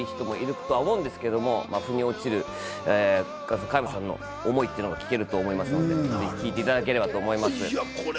皆さん寂しい人もいると思うんですけど、腑に落ちる加山さんの思いというのを聞けると思うので、聞いていただければと思います。